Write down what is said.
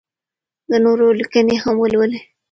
د نورو لیکنې هم ولولئ.